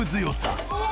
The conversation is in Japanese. うわ！